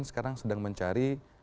sekarang sedang mencari